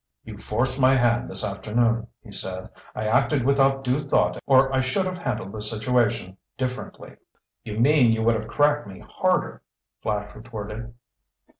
"You forced my hand this afternoon," he said. "I acted without due thought or I should have handled the situation differently." "You mean you would have cracked me harder," Flash retorted.